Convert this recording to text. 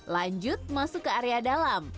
lanjut masuk ke area dalam